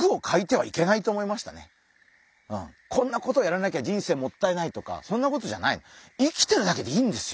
こんなことやらなきゃ人生もったいないとかそんなことじゃない。